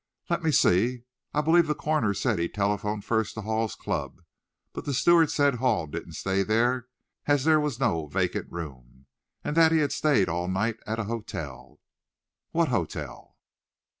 "Let me see; I believe the coroner said he telephoned first to Hall's club. But the steward said Hall didn't stay there, as there was no vacant room, and that he had stayed all night at a hotel." "What hotel?"